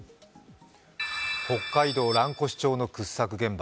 北海道蘭越町の掘削現場。